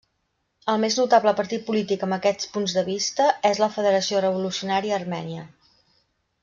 El més notable partit polític amb aquests punts de vista és la Federació Revolucionària Armènia.